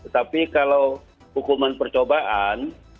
tapi kalau hukuman percobaan